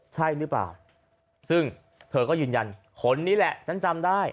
ใช่หรือเปล่าซึ่งเธอก็ยืนยันคนนี้แหละฉันจำได้